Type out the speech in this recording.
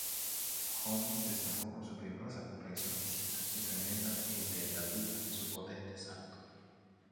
Hollins destacó por su fibrosa complexión física, su tremenda envergadura y su potente salto.